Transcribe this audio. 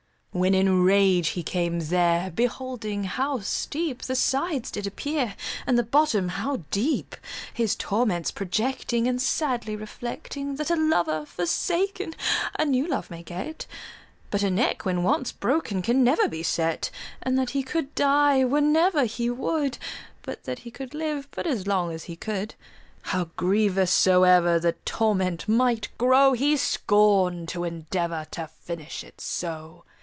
When in rage he came there, Beholding how steep The sides did appear, And the bottom how deep, His torments projecting And sadly reflecting, That a lover forsaken A new love may get; But a neck, when once broken, Can never be set: And that he could die Whenever he would; But that he could live But as long as he could: How grievous soever The torment might grow, He scorn'd to endeavour To finish it so.